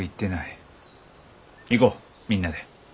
行こうみんなで。